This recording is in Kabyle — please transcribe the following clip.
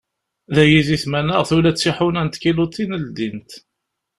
Dagi di tmanaɣt ula d tiḥuna n tkiluḍin ldint.